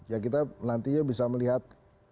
ya kita nantinya bisa melihat